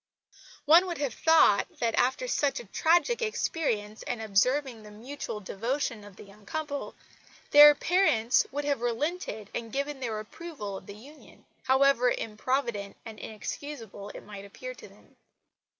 One would have thought that, after such a tragic experience and observing the mutual devotion of the young couple, their parents would have relented and given their approval of the union, however improvident and inexcusable it might appear to them.